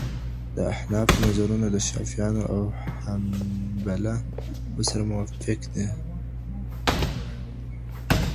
د احنافو نظرونه د شافعيانو او حنابله وو سره موافق دي.